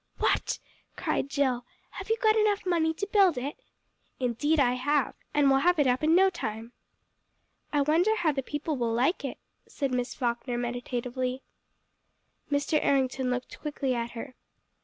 "What!" cried Jill. "Have you got enough money to build it?" "Indeed I have. And we'll have it up in no time." "I wonder how the people will like it," said Miss Falkner meditatively. Mr. Errington looked quickly at her.